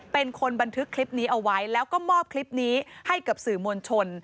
เป็นคนบันทึกคลิปนี้เอาไว้แล้วก็มอบคลิปนี้ให้กับสื่อมวลชน